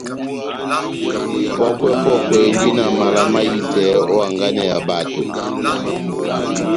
Pɔ́kwɛ-pɔkwɛ endi na mala mahitɛ ó hanganɛ ya bato.